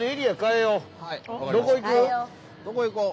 どこ行こう？